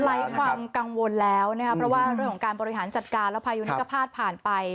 เป็นความกังวลแล้วเรื่องของการบริหารจัดการพายุพิกษาผ่านไป